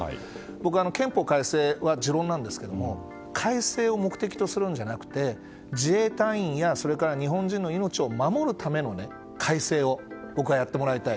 僕、憲法改正は持論ですが改正を目的とするんじゃなくて自衛隊員や日本人の命を守るための改正を僕はやってもらいたい。